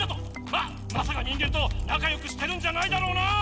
ままさか人間となかよくしてるんじゃないだろうなあ！